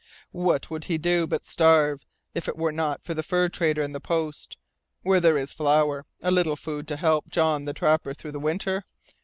What would he do, but starve, if it were not for the fur trader and the post, where there is flour, a little food to help John the Trapper through the winter?